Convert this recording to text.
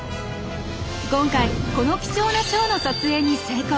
今回この貴重なチョウの撮影に成功。